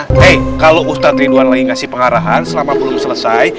hey kalau ustadz rinduan lagi kasih pengarahan selama belum selesai